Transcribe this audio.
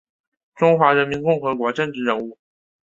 中华人民共和国政治人物。